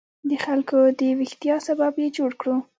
د خلکو د ویښتیا سبب یې جوړ کړو.